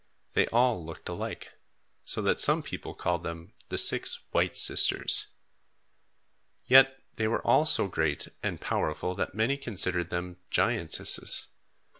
They all looked alike, so that some people called them the Six White Sisters. Yet they were all so great and powerful that many considered them giantesses.